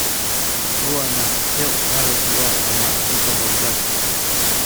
Ruahnak cheuh hal duh ah amah cu kan va panh.